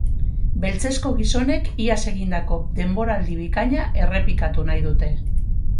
Beltzezko gizonek iaz egindako denboraldi bikaina errepikatu nahi dute.